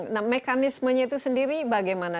nah mekanismenya itu sendiri bagaimana